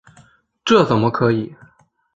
这怎么可以！